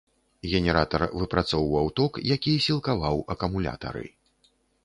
Генератар выпрацоўваў ток, які сілкаваў акумулятары.